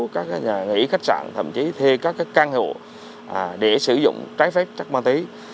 các nhà nghỉ khách sạn thậm chí thuê các căn hộ để sử dụng trái phép chất ma túy